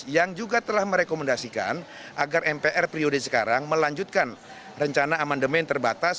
yang juga telah merekomendasikan agar mpr periode sekarang melanjutkan rencana amandemen terbatas